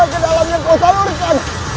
kedalam yang kau salurkan